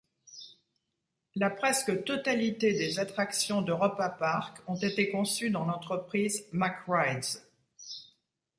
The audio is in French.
La presque totalité des attractions d'Europa Park ont été conçues dans l'entreprise Mack Rides.